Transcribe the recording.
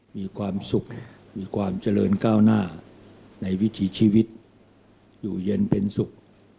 มีความสุขมีความเจริญก้าวหน้าในวิถีชีวิตอยู่เย็นเป็นสุข